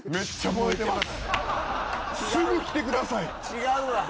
違うわ！